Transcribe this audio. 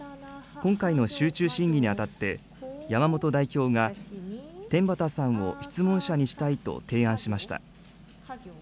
今回の集中審議に当たって、山本代表が、天畠さんを質問者にしたいと提案しました。